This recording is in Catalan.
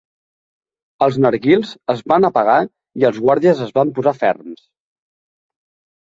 Els narguils es van apagar i els guàrdies es van posar ferms.